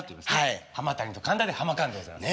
浜谷と神田でハマカーンでございます。